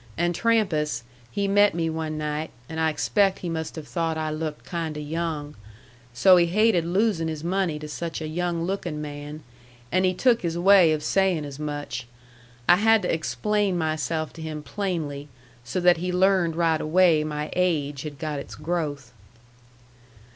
And Trampas, he met me one night, and I expect he must have thought I looked kind o' young. So he hated losin' his money to such a young lookin' man, and he took his way of sayin' as much. I had to explain myself to him plainly, so that he learned right away my age had got its growth.